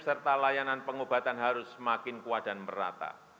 serta layanan pengobatan harus semakin kuat dan merata